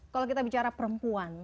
kalau kita bicara perempuan